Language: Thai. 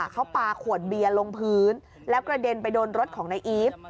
เขาปลาขวดเบียร์ลงพื้นแล้วกระเด็นไปโดนรถของนายอีฟ